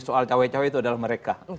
soal cewek cewek itu adalah mereka